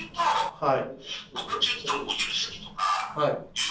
はい。